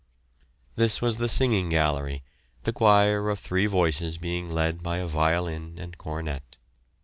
This was the singing gallery, the choir of three voices being led by a violin and cornet.